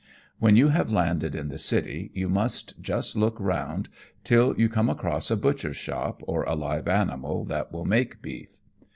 When you have landed in the city you must just look around till you come across a butcher's shop or a live animal that will make beef.